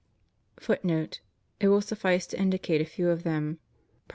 ^* It will suffice to indicate a few of them : Prop.